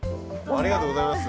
ありがとうございます。